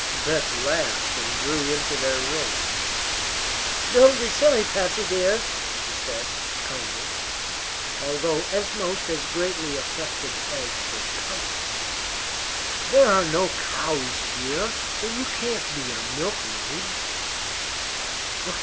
Beth laughed, and drew her into their room. "Don't be silly, Patsy dear," she said, calmly, although almost as greatly affected as her cousin. "There are no cows here, so you can't be a milkmaid."